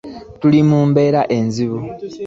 Tuli mu mbeera enzibu.